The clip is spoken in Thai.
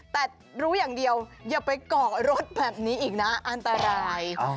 แต่รู้อย่างเดียวอย่าไปเกาะรถแบบนี้อีกนะอันตราย